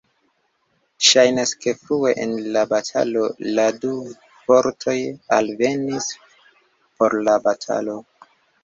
Ŝajnas ke frue en la batalo, la du fortoj alvenis por la batalo.